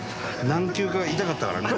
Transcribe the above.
何球か痛かったからね。